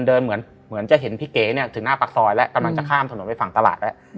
เหมือนจะเห็นพี่เก๋เนี่ยถึงหน้าปากซอยแล้วกำลังจะข้ามถนนไปฝั่งตลาดแล้ว